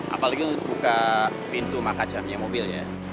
apalagi lo buka pintu makacangnya mobil ya